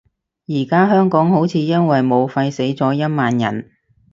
而家香港好似因為武肺死咗一萬人